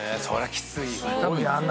それはきついよね。